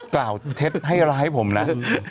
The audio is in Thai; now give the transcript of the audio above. กล่าวเท็จให้ร้ายผมนะ